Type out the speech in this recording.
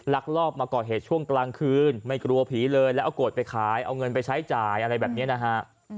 ลอบมาก่อเหตุช่วงกลางคืนไม่กลัวผีเลยแล้วเอากดไปขายเอาเงินไปใช้จ่ายอะไรแบบนี้นะฮะ